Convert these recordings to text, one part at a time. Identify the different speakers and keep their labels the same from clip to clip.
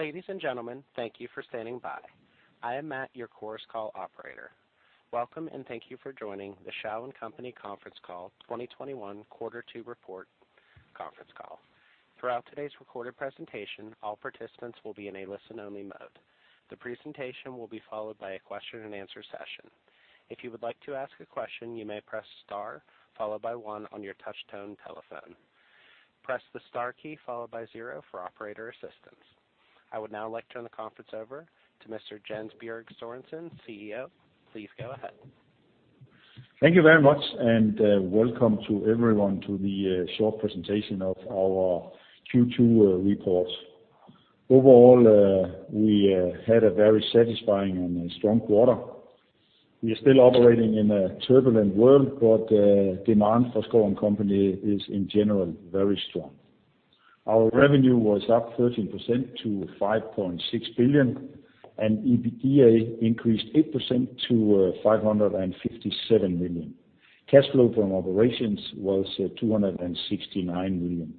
Speaker 1: Ladies and gentlemen, thank you for standing by. I am Matt, your Chorus Call operator. Welcome, and thank you for joining the Schouw & Co. conference call 2021 quarter two report conference call. Throughout today's recorded presentation, all participants will be in a listen-only mode. The presentation will be followed by a question and answer session. If you would like to ask a question, you may press star, followed by one on your touch tone telephone. Press the star key followed by zero for operator assistance. I would now like to turn the conference over to Mr. Jens Bjerg Sørensen, CEO. Please go ahead.
Speaker 2: Thank you very much, and welcome to everyone to the short presentation of our Q2 report. Overall, we had a very satisfying and strong quarter. We are still operating in a turbulent world, but demand for Schouw & Co. is in general very strong. Our revenue was up 13% to 5.6 billion, and EBITDA increased 8% to 557 million. Cash flow from operations was 269 million.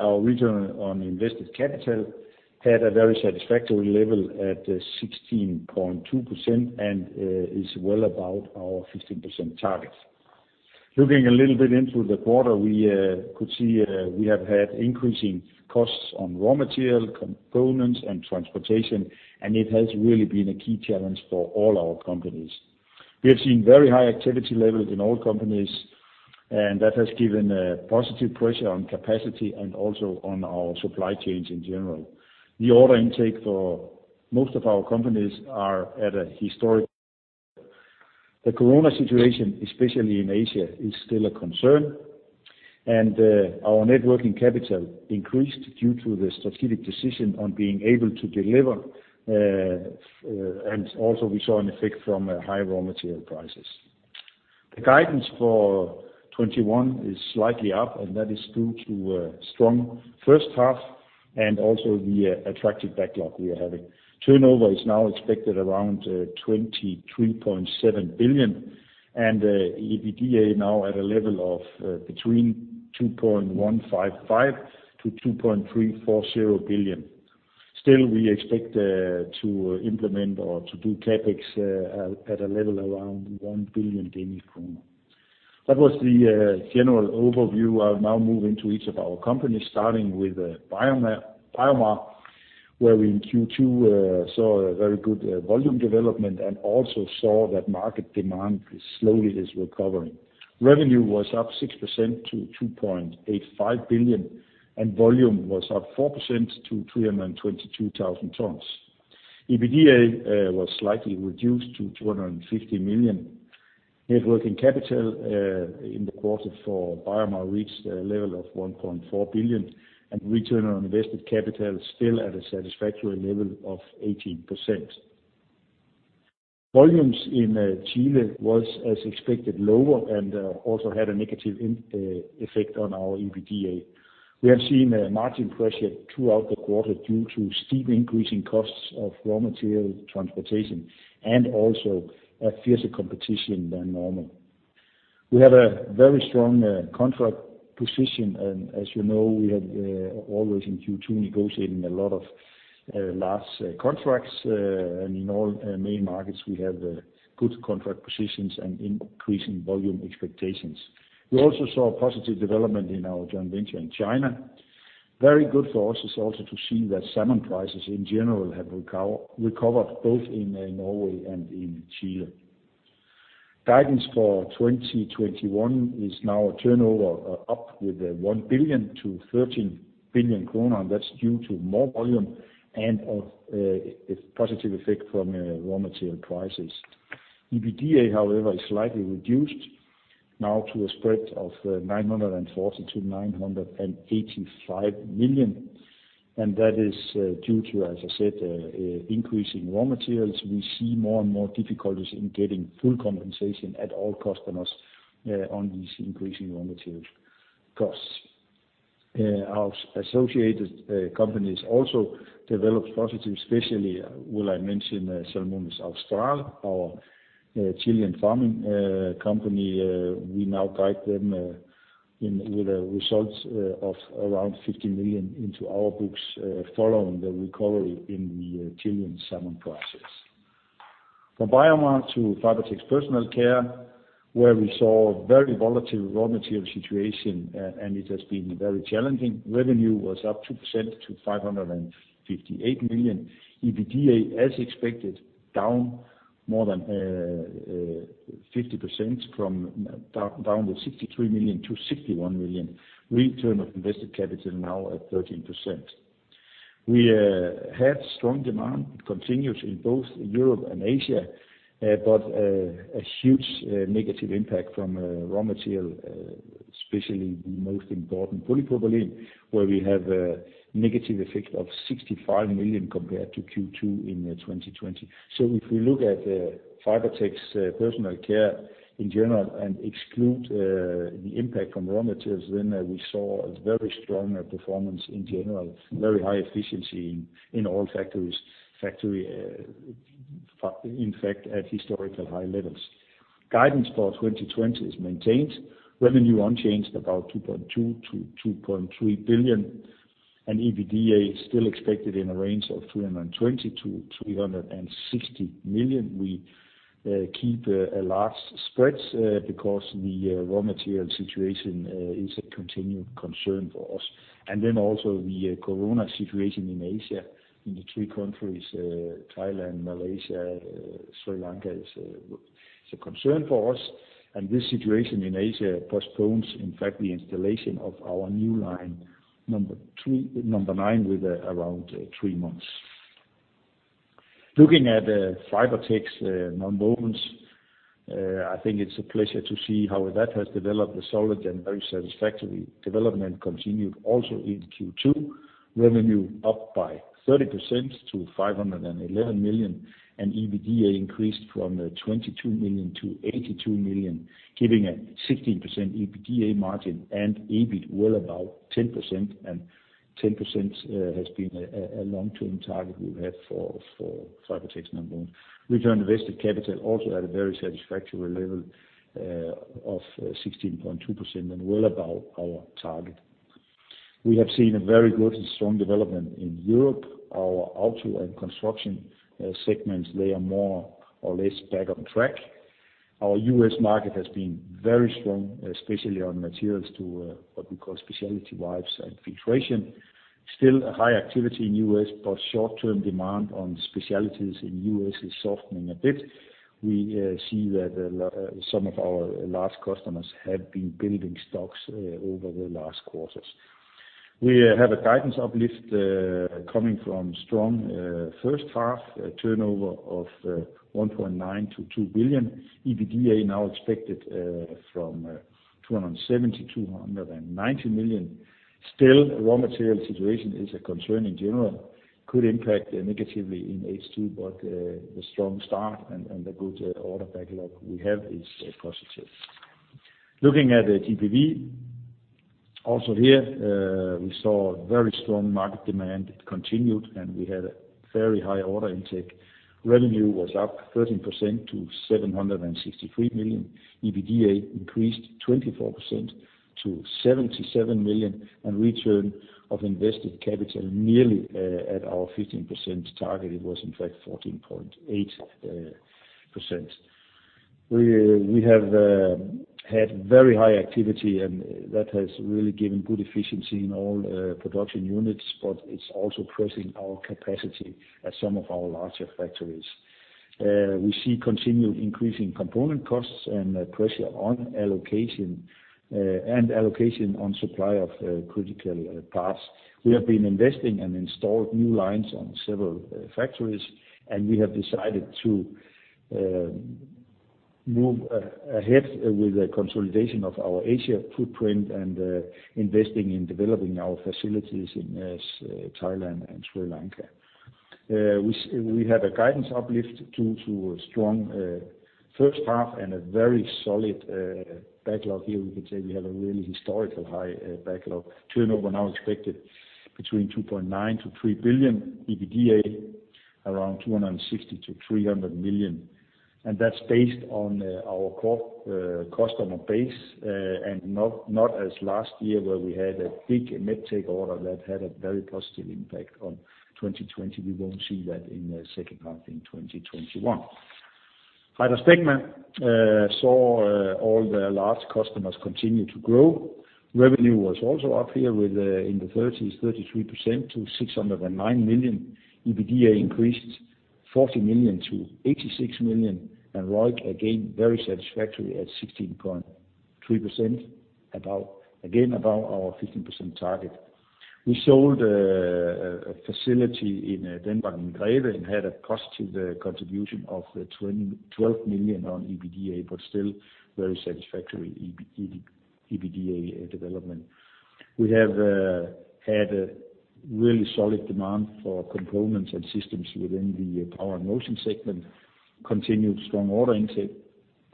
Speaker 2: Our return on invested capital had a very satisfactory level at 16.2% and is well above our 15% target. Looking a little bit into the quarter, we could see we have had increasing costs on raw material, components, and transportation, and it has really been a key challenge for all our companies. We have seen very high activity levels in all companies, and that has given a positive pressure on capacity and also on our supply chains in general. The order intake for most of our companies are at a historic. The Corona situation, especially in Asia, is still a concern, and our net working capital increased due to the strategic decision on being able to deliver, and also we saw an effect from high raw material prices. The guidance for 2021 is slightly up, and that is due to a strong first half and also the attractive backlog we are having. Turnover is now expected around 23.7 billion and EBITDA now at a level of between 2.155 billion-2.340 billion. Still, we expect to implement or to do CapEx at a level around 1 billion Danish kroner. That was the general overview. I'll now move into each of our companies, starting with BioMar, where we in Q2 saw a very good volume development and also saw that market demand slowly is recovering. Revenue was up 6% to 2.85 billion, and volume was up 4% to 322,000 tons. EBITDA was slightly reduced to 250 million. Net working capital in the quarter for BioMar reached a level of 1.4 billion, and return on invested capital still at a satisfactory level of 18%. Volumes in Chile was, as expected, lower and also had a negative effect on our EBITDA. We have seen a margin pressure throughout the quarter due to steep increasing costs of raw material transportation and also a fiercer competition than normal. We have a very strong contract position, and as you know, we have always in Q2 negotiating a lot of large contracts, and in all main markets we have good contract positions and increasing volume expectations. We also saw a positive development in our joint venture in China. Very good for us is also to see that salmon prices in general have recovered both in Norway and in Chile. Guidance for 2021 is now a turnover up with 1 billion-13 billion kroner, and that's due to more volume and a positive effect from raw material prices. EBITDA, however, is slightly reduced now to a spread of 940 million-985 million, and that is due to, as I said, increasing raw materials. We see more and more difficulties in getting full compensation at all customers on these increasing raw material costs. Our associated companies also developed positive, especially will I mention Salmones Austral, our Chilean farming company. We now guide them with a result of around 50 million into our books, following the recovery in the Chilean salmon prices. From BioMar to Fibertex Personal Care, where we saw a very volatile raw material situation. It has been very challenging. Revenue was up 2% to 558 million. EBITDA, as expected, down more than 50% from 63 million-61 million. Return of invested capital now at 13%. We had strong demand. It continues in both Europe and Asia. A huge negative impact from raw material, especially the most important, polypropylene, where we have a negative effect of 65 million compared to Q2 in 2020. If we look at Fibertex Personal Care in general and exclude the impact from raw materials, we saw a very strong performance in general, very high efficiency in all factories. Factory, in fact, at historical high levels. Guidance for 2020 is maintained. Revenue unchanged, about 2.2 billion-2.3 billion. EBITDA still expected in a range of 320 million-360 million. We keep a large spread because the raw material situation is a continued concern for us. The COVID situation in Asia in the three countries, Thailand, Malaysia, Sri Lanka is a concern for us. This situation in Asia postpones, in fact, the installation of our new line, number nine, with around three months. Looking at Fibertex Nonwovens, I think it's a pleasure to see how that has developed. The solid and very satisfactory development continued also into Q2. Revenue up by 30% to 511 million, and EBITDA increased from 22 million-82 million, giving a 16% EBITDA margin and EBIT well above 10%. 10% has been a long-term target we have for Fibertex Nonwovens. Return on invested capital also at a very satisfactory level of 16.2% and well above our target. We have seen a very good and strong development in Europe. Our auto and construction segments, they are more or less back on track. Our U.S. market has been very strong, especially on materials to what we call specialty wipes and filtration. Still a high activity in U.S., short-term demand on specialties in U.S. is softening a bit. We see that some of our large customers have been building stocks over the last quarters. We have a guidance uplift coming from strong first half turnover of 1.9 billion-2 billion. EBITDA now expected from 270 million-290 million. Raw material situation is a concern in general, could impact negatively in H2, the strong start and the good order backlog we have is positive. Looking at GPV, also here we saw very strong market demand. It continued, we had a very high order intake. Revenue was up 13% to 763 million. EBITDA increased 24% to 77 million, and return of invested capital nearly at our 15% target. It was, in fact, 14.8%. We have had very high activity, and that has really given good efficiency in all production units, but it's also pressing our capacity at some of our larger factories. We see continued increasing component costs and pressure on allocation on supply of critical parts. We have been investing and installed new lines on several factories, and we have decided to move ahead with the consolidation of our Asia footprint and investing in developing our facilities in Thailand and Sri Lanka. We have a guidance uplift due to a strong first half and a very solid backlog here. We could say we have a really historical high backlog. Turnover now expected between 2.9 billion-3 billion. EBITDA, around 260 million-300 million. That's based on our core customer base and not as last year where we had a big medical order that had a very positive impact on 2020. We won't see that in the second half in 2021. HydraSpecma saw all their large customers continue to grow. Revenue was also up here with in the 30%s, 33% to 609 million. EBITDA increased million-86 million, and ROIC again very satisfactory at 16.3%, again above our 15% target. We sold a facility in Denmark, Greve, and had a positive contribution of 12 million on EBITDA, but still very satisfactory EBITDA development. We have had a really solid demand for components and systems within the Power & Motion segment. Continued strong order intake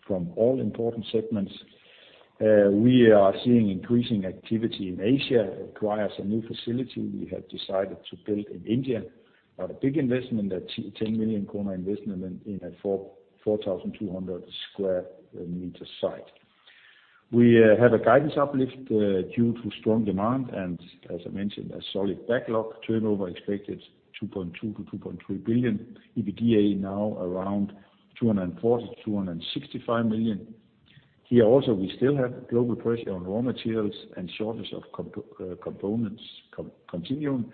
Speaker 2: from all important segments. We are seeing increasing activity in Asia, recquires a new facility we have decided to build in India. Not a big investment, a 10 million kroner investment in a 4,200 sq m site. We have a guidance uplift due to strong demand and as I mentioned, a solid backlog turnover expected 2.2 billion-2.3 billion. EBITDA now around 240 million-265 million. Here also, we still have global pressure on raw materials and shortage of components continuing,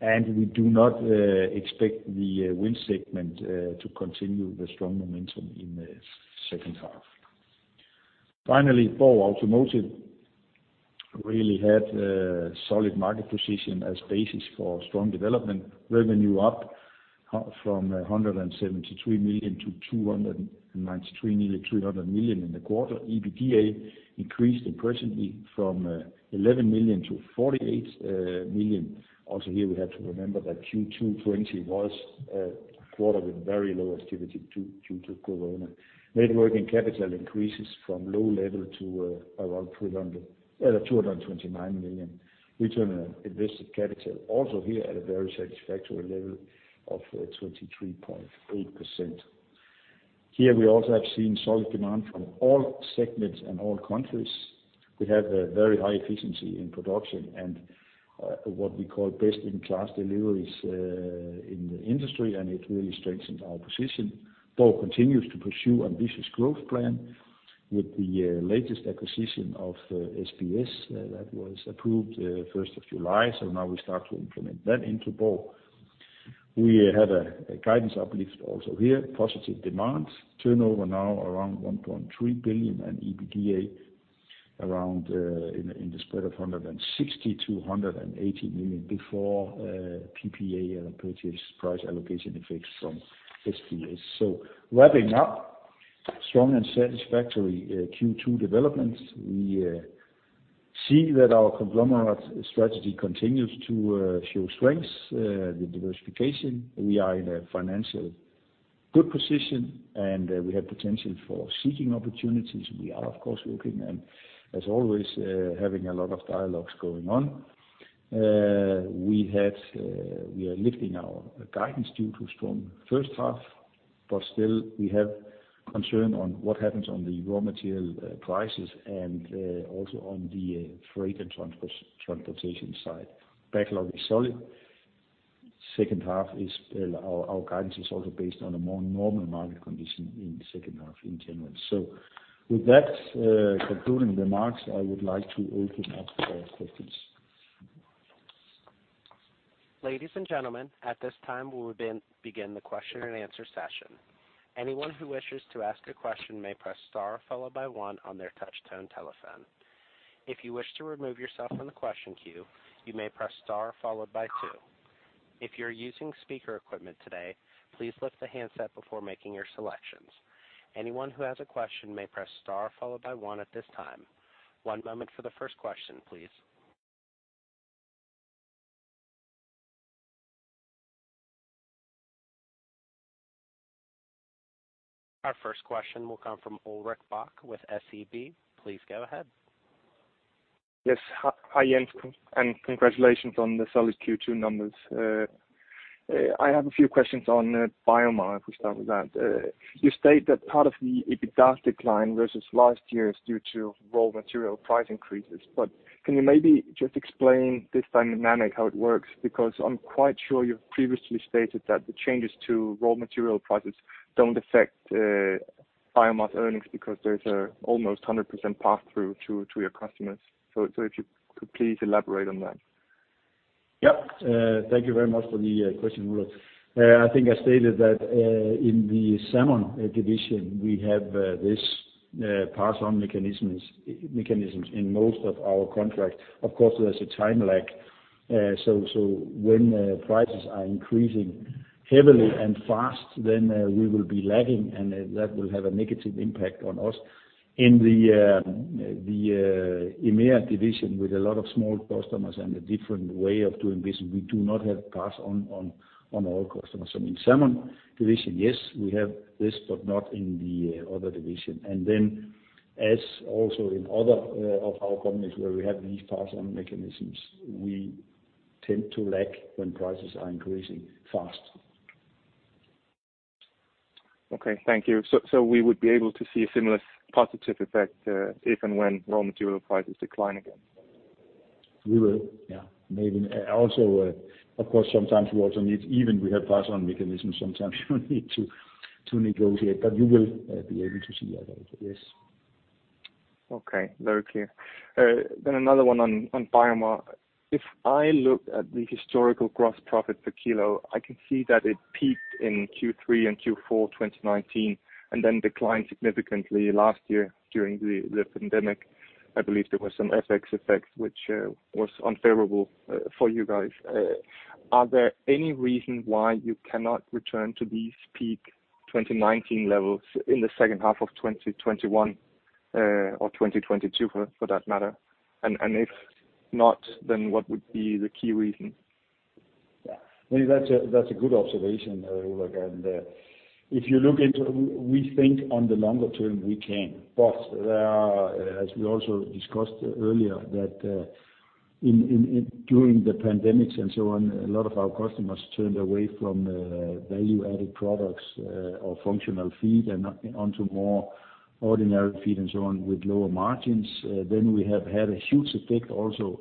Speaker 2: and we do not expect the wind segment to continue the strong momentum in the second half. Finally, BORG Automotive really had a solid market position as basis for strong development. Revenue up from 173 million-293 million, nearly 300 million in the quarter. EBITDA increased impressively from 11 million-48 million. Also here, we have to remember that Q2 2020 was a quarter with very low activity due to COVID. Net working capital increases from low level to around 229 million. Return on invested capital also here at a very satisfactory level of 23.8%. Here we also have seen solid demand from all segments and all countries. We have a very high efficiency in production and what we call best-in-class deliveries in the industry, and it really strengthened our position. BORG continues to pursue ambitious growth plan with the latest acquisition of SBS that was approved the 1st of July. Now we start to implement that into BORG. We have a guidance uplift also here. Positive demand. Turnover now around 1.3 billion and EBITDA in the spread of 160 million-180 million before PPA purchase price allocation effects from SBS. Wrapping up, strong and satisfactory Q2 developments. We see that our conglomerate strategy continues to show strengths, the diversification. We are in a good financial position, and we have potential for seeking opportunities. We are, of course, looking and as always, having a lot of dialogues going on. We are lifting our guidance due to strong first half, still we have concern on what happens on the raw material prices and also on the freight and transportation side. Backlog is solid. Our guidance is also based on a more normal market condition in the second half in general. With that concluding remarks, I would like to open up for questions.
Speaker 1: One moment for the first question, please. Our first question will come from Ulrik Bak with SEB. Please go ahead.
Speaker 3: Yes. Hi, Jens, congratulations on the solid Q2 numbers. I have a few questions on BioMar, if we start with that. You state that part of the EBITDA decline versus last year is due to raw material price increases. Can you maybe just explain this dynamic, how it works? I'm quite sure you've previously stated that the changes to raw material prices don't affect BioMar's earnings because there's almost 100% pass-through to your customers. If you could please elaborate on that.
Speaker 2: Yep. Thank you very much for the question, Ulrik. I think I stated that in the Salmon division, we have these pass-on mechanisms in most of our contracts. Of course, there's a time lag. When prices are increasing heavily and fast, then we will be lagging, and that will have a negative impact on us. In the EMEA division, with a lot of small customers and a different way of doing business, we do not have pass-on on all customers. In Salmon division, yes, we have this, but not in the other division. As also in other of our companies where we have these pass-on mechanisms, we tend to lag when prices are increasing fast.
Speaker 3: Okay. Thank you. We would be able to see a similar positive effect if and when raw material prices decline again?
Speaker 2: We will, yeah. Maybe also, of course, sometimes we also need, even we have pass-on mechanisms, sometimes you need to negotiate, you will be able to see that effect, yes.
Speaker 3: Okay. Very clear. Another one on BioMar. If I look at the historical gross profit per kilo, I can see that it peaked in Q3 and Q4 2019, and then declined significantly last year during the pandemic. I believe there was some FX effects, which was unfavorable for you guys. Are there any reason why you cannot return to these peak 2019 levels in the second half of 2021, or 2022 for that matter? If not, what would be the key reason?
Speaker 2: Yeah. I mean, that's a good observation, Ulrik. We think on the longer term, we can. As we also discussed earlier that during the pandemic and so on, a lot of our customers turned away from value-added products or functional feed and onto more ordinary feed and so on with lower margins. We have had a huge effect also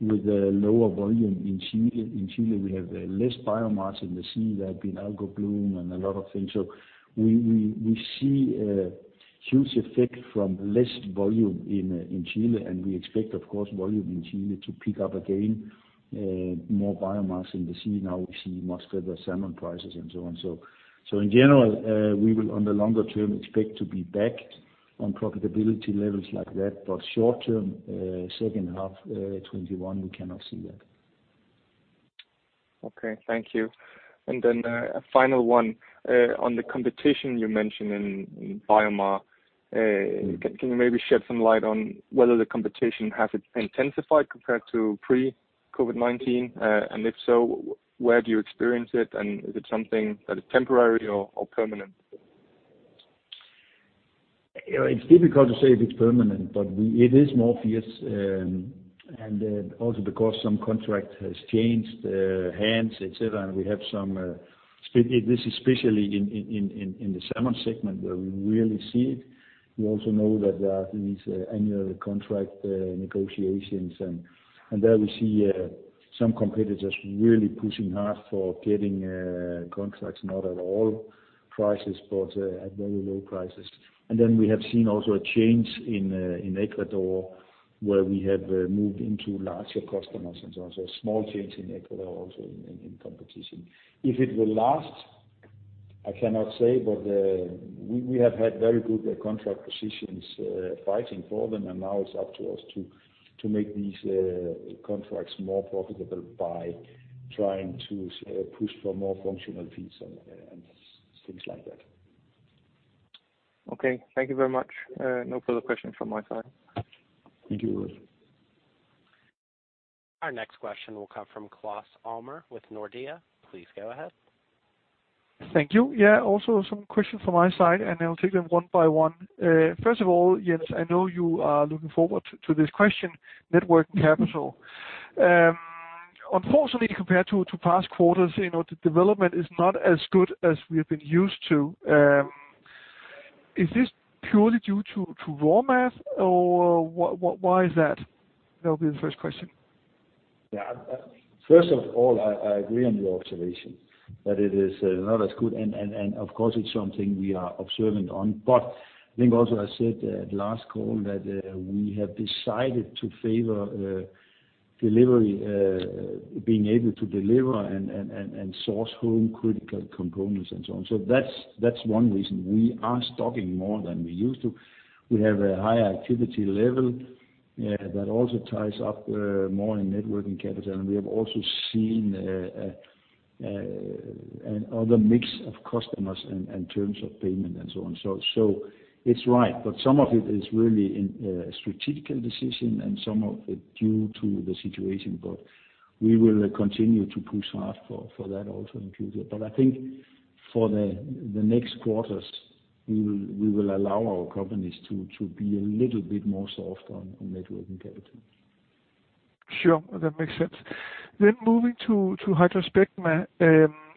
Speaker 2: with the lower volume in Chile. In Chile, we have less biomass in the sea. There have been algal bloom and a lot of things. We see a huge effect from less volume in Chile, and we expect, of course, volume in Chile to pick up again, more biomass in the sea now we see much better salmon prices and so on. In general, we will on the longer term expect to be back on profitability levels like that, but short term, second half 2021, we cannot see that.
Speaker 3: Okay. Thank you. Then a final one. On the competition you mentioned in BioMar, can you maybe shed some light on whether the competition has intensified compared to pre-COVID-19? If so, where do you experience it, and is it something that is temporary or permanent?
Speaker 2: It's difficult to say if it's permanent, but it is more fierce. Also because some contract has changed hands, et cetera, and this is especially in the Salmon segment where we really see it. We also know that there are these annual contract negotiations. There we see some competitors really pushing hard for getting contracts, not at all prices, but at very low prices. We have seen also a change in Ecuador, where we have moved into larger customers and so on. Small change in Ecuador, also in competition. If it will last, I cannot say. We have had very good contract positions, fighting for them, and now it's up to us to make these contracts more profitable by trying to push for more functional feed and things like that.
Speaker 3: Okay. Thank you very much. No further questions from my side.
Speaker 2: Thank you.
Speaker 1: Our next question will come from Claus Almer with Nordea. Please go ahead.
Speaker 4: Thank you. Yeah, also some questions from my side, and I will take them one by one. First of all, Jens, I know you are looking forward to this question, net working capital. Unfortunately, compared to past quarters, the development is not as good as we have been used to. Is this purely due to raw mats or why is that? That'll be the first question.
Speaker 2: First of all, I agree on your observation that it is not as good. Of course, it's something we are observant on, but I think also I said at last call that we have decided to favor delivery, being able to deliver and source home critical components and so on. That's one reason. We are stocking more than we used to. We have a high activity level that also ties up more in net working capital. We have also seen other mix of customers in terms of payment and so on. It's right. Some of it is really a strategical decision and some of it due to the situation. We will continue to push hard for that also in future. I think for the next quarters, we will allow our companies to be a little bit more soft on networking capital.
Speaker 4: Sure. That makes sense. Moving to HydraSpecma.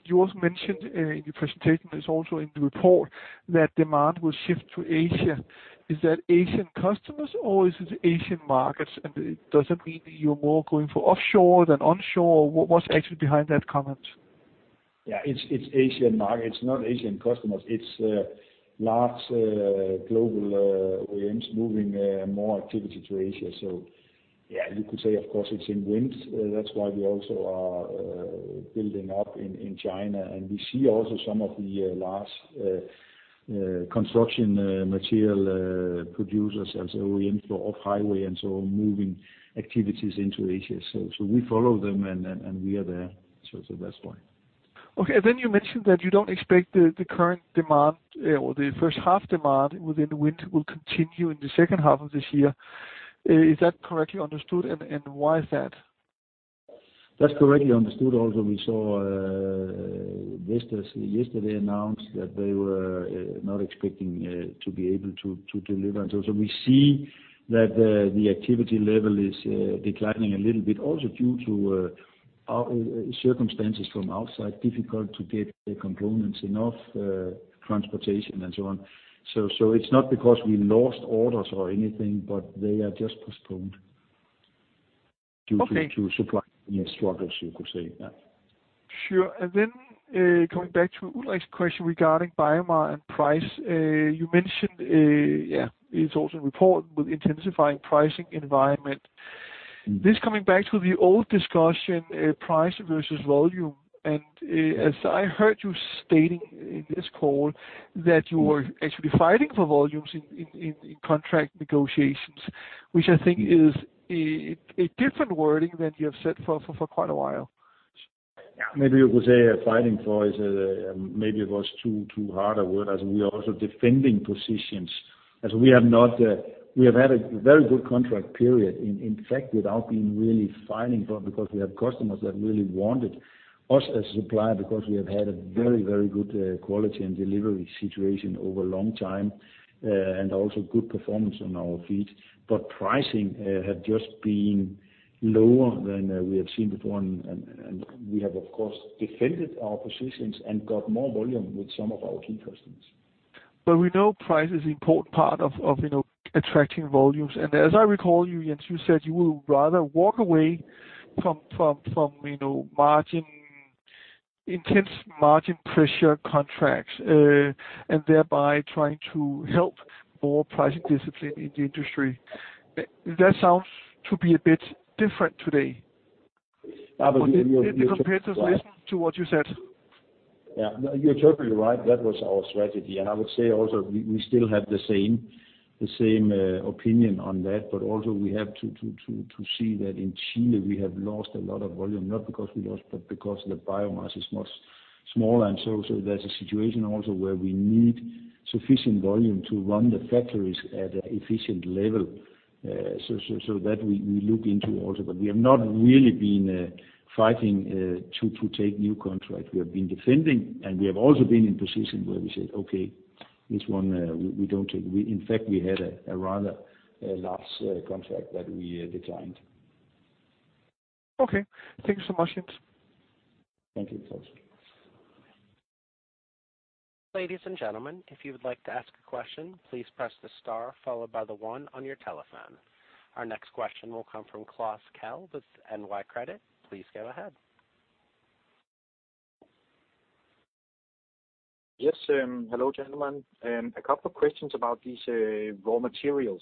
Speaker 4: You also mentioned in your presentation, it's also in the report, that demand will shift to Asia. Is that Asian customers or is it Asian markets? Does it mean that you're more going for offshore than onshore? What's actually behind that comment?
Speaker 2: Yeah. It's Asian markets, not Asian customers. It's large global OEMs moving more activity to Asia. Yeah, you could say, of course, it's in wind. That's why we also are building up in China. We see also some of the large construction material producers as OEM for off-highway and so on, moving activities into Asia. We follow them, and we are there. That's why.
Speaker 4: Okay. You mentioned that you don't expect the current demand or the first half demand within wind will continue in the second half of this year. Is that correctly understood, and why is that?
Speaker 2: That's correctly understood. We saw Vestas yesterday announce that they were not expecting to be able to deliver. We see that the activity level is declining a little bit. Also due to circumstances from outside, difficult to get the components, enough transportation and so on. It's not because we lost orders or anything, but they are just postponed.
Speaker 4: Okay.
Speaker 2: Due to supply struggles, you could say. Yeah.
Speaker 4: Sure. Coming back to Ulrik's question regarding BioMar and price. You mentioned, yeah, it's also in report with intensifying pricing environment. This coming back to the old discussion, price versus volume, and as I heard you stating in this call that you were actually fighting for volumes in contract negotiations, which I think is a different wording than you have said for quite a while.
Speaker 2: Yeah. Maybe you could say fighting for is, maybe it was too hard a word, as we are also defending positions, as we have had a very good contract period, in fact, without really fighting for it, because we have customers that really wanted us as a supplier because we have had a very, very good quality and delivery situation over a long time. Also good performance on our feed. Pricing had just been lower than we have seen before, and we have of course defended our positions and got more volume with some of our key customers.
Speaker 4: We know price is important part of attracting volumes. As I recall you, Jens, you said you would rather walk away from intense margin pressure contracts, and thereby trying to help more pricing discipline in the industry. That sounds to be a bit different today.
Speaker 2: No, but we-
Speaker 4: Did the competitors listen to what you said?
Speaker 2: Yeah. No, you're totally right. That was our strategy. I would say also, we still have the same opinion on that, but also we have to see that in Chile, we have lost a lot of volume, not because we lost, but because the biomass is much smaller. There's a situation also where we need sufficient volume to run the factories at an efficient level. That we look into also. We have not really been fighting to take new contract. We have been defending, and we have also been in position where we said, "Okay, this one, we don't take." In fact, we had a rather large contract that we declined.
Speaker 4: Okay, thank you so much, Jens.
Speaker 2: Thank you.
Speaker 1: Ladies and gentlemen, if you would like to ask a question, please press the star followed by the one on your telephone. Our next question will come from Klaus Kehl with Nykredit. Please go ahead.
Speaker 5: Yes. Hello, gentlemen. A couple questions about these raw materials.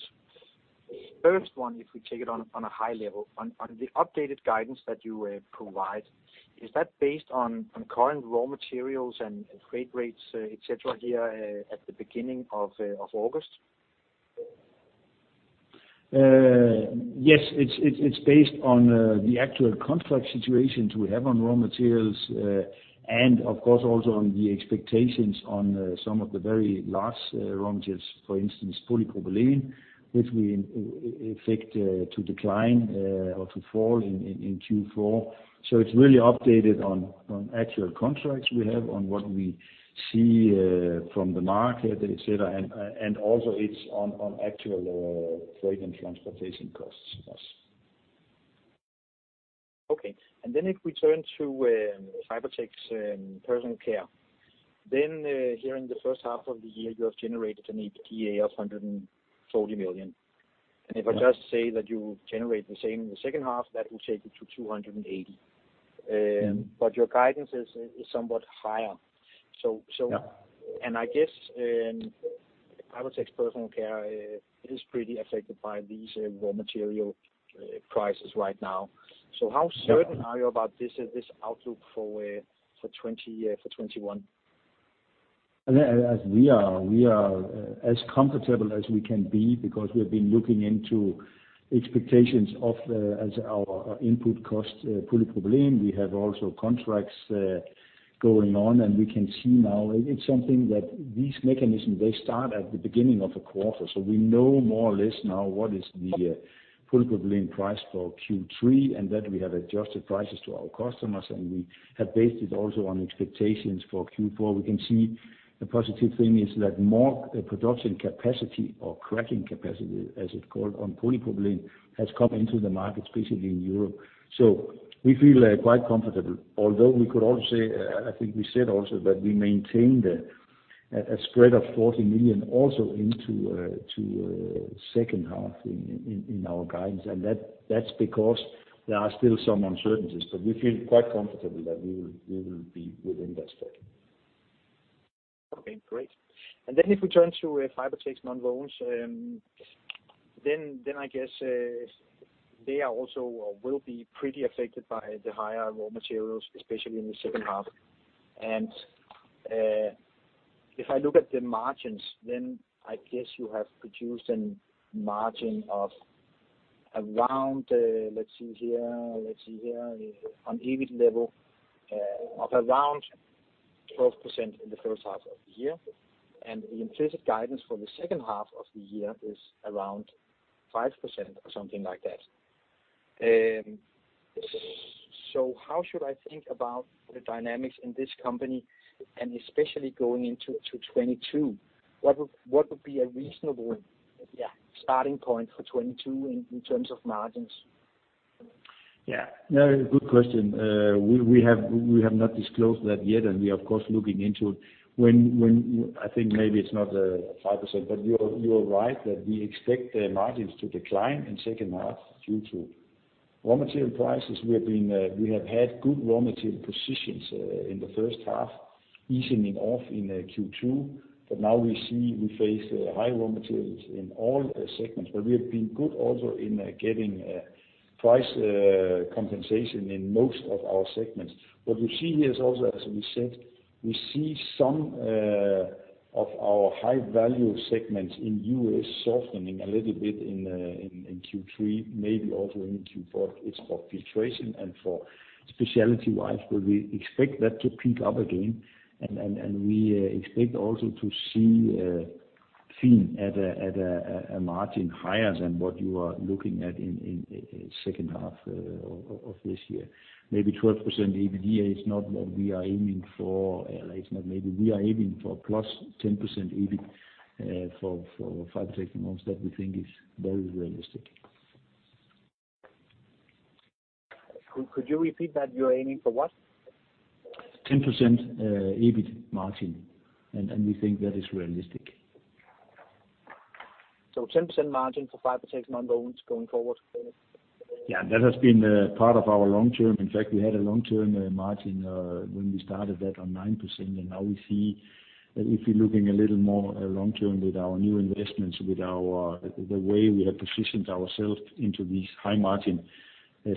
Speaker 5: First one, if we take it on a high level, on the updated guidance that you provide, is that based on current raw materials and freight rates, et cetera, here at the beginning of August?
Speaker 2: It's based on the actual contract situations we have on raw materials. Of course, also on the expectations on some of the very large raw materials, for instance, polypropylene, which we expect to decline or to fall in Q4. It's really updated on actual contracts we have on what we see from the market, et cetera. Also it's on actual freight and transportation costs for us.
Speaker 5: Okay. If we turn to Fibertex Personal Care, here in the first half of the year, you have generated an EBITDA of 140 million.
Speaker 2: Yeah.
Speaker 5: If I just say that you generate the same in the second half, that will take it to 280 million. Your guidance is somewhat higher.
Speaker 2: Yeah.
Speaker 5: I guess, Fibertex Personal Care is pretty affected by these raw material prices right now.
Speaker 2: Yeah.
Speaker 5: How certain are you about this outlook for 2021?
Speaker 2: We are as comfortable as we can be because we've been looking into expectations of as our input costs, polypropylene. We have also contracts going on, and we can see now it's something that these mechanisms, they start at the beginning of a quarter. We know more or less now what is the polypropylene price for Q3, and that we have adjusted prices to our customers, and we have based it also on expectations for Q4. We can see the positive thing is that more production capacity or cracking capacity, as it's called, on polypropylene, has come into the market, specifically in Europe. We feel quite comfortable, although we could also say, I think we said also that we maintain a spread of 40 million also into second half in our guidance. That's because there are still some uncertainties, but we feel quite comfortable that we will be within that spread.
Speaker 5: Okay, great. If we turn to Fibertex Nonwovens, I guess they are also, or will be pretty affected by the higher raw materials, especially in the second half. If I look at the margins, I guess you have produced a margin of around, let’s see here, on EBIT level of around 12% in the first half of the year. The implicit guidance for the second half of the year is around 5% or something like that. How should I think about the dynamics in this company, especially going into 2022? What would be a reasonable-
Speaker 2: Yeah.
Speaker 5: ...starting point for 2022 in terms of margins?
Speaker 2: Yeah. No, good question. We have not disclosed that yet, and we are of course looking into it. When I think maybe it's not 5%, but you are right that we expect the margins to decline in second half due to raw material prices. We have had good raw material positions in the first half, easing it off in Q2. Now we see we face high raw materials in all segments, but we have been good also in getting price compensation in most of our segments. What we see here is also, as we said, we see some of our high-value segments in U.S. softening a little bit in Q3, maybe also in Q4. It's for filtration and for specialty wipes, but we expect that to peak up again. We expect also to see at a margin higher than what you are looking at in second half of this year. Maybe 12% EBITDA is not what we are aiming for. It's not maybe, we are aiming for 10%+ EBIT for Fibertex Nonwovens. That we think is very realistic.
Speaker 5: Could you repeat that? You're aiming for what?
Speaker 2: 10% EBIT margin, and we think that is realistic.
Speaker 5: 10% margin for Fibertex Nonwovens going forward?
Speaker 2: Yeah, that has been part of our long term. In fact, we had a long-term margin, when we started that on 9%. Now we see if we're looking a little more long term with our new investments, with the way we have positioned ourselves into these high-margin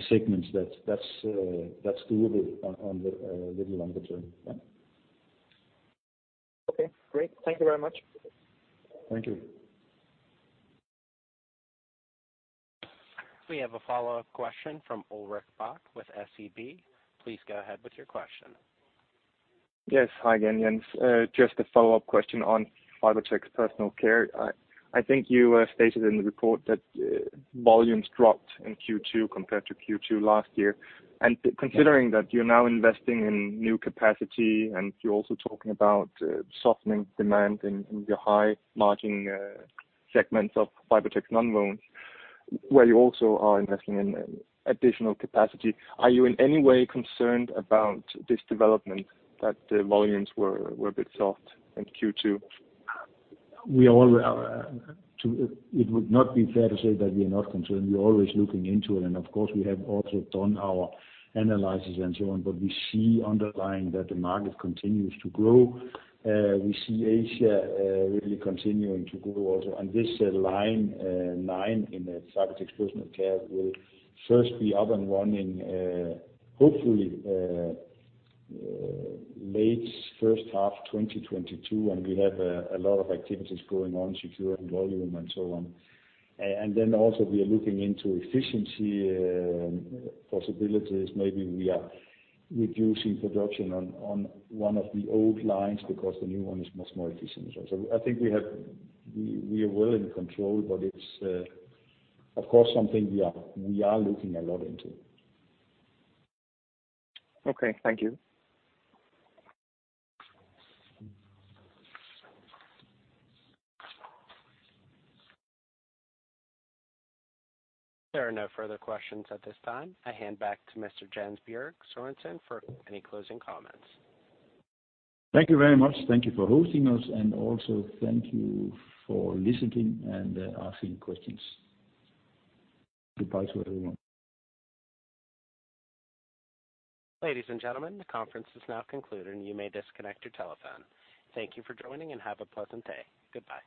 Speaker 2: segments, that's doable on the little longer term, yeah.
Speaker 5: Okay, great. Thank you very much.
Speaker 2: Thank you.
Speaker 1: We have a follow-up question from Ulrik Bak with SEB. Please go ahead with your question.
Speaker 3: Yes. Hi again, Jens. Just a follow-up question on Fibertex Personal Care. I think you stated in the report that volumes dropped in Q2 compared to Q2 last year. Considering that you're now investing in new capacity and you're also talking about softening demand in your high margin segments of Fibertex Nonwovens, where you also are investing in additional capacity, are you in any way concerned about this development that the volumes were a bit soft in Q2?
Speaker 2: It would not be fair to say that we are not concerned. We're always looking into it, and of course we have also done our analysis and so on, but we see underlying that the market continues to grow. We see Asia really continuing to grow also. This line nine in the Fibertex Personal Care will first be up and running, hopefully, late first half 2022. We have a lot of activities going on securing volume and so on. Then also we are looking into efficiency possibilities. Maybe we are reducing production on one of the old lines because the new one is much more efficient. I think we are well in control, but it's of course something we are looking a lot into.
Speaker 3: Okay. Thank you.
Speaker 1: There are no further questions at this time. I hand back to Mr. Jens Bjerg Sørensen for any closing comments.
Speaker 2: Thank you very much. Thank you for hosting us, and also thank you for listening and asking questions. Goodbye to everyone.
Speaker 1: Ladies and gentlemen, the conference is now concluded, and you may disconnect your telephone. Thank you for joining, and have a pleasant day. Goodbye.